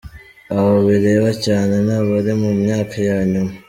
Abo bireba cyane ni abari mu myaka ya nyuma.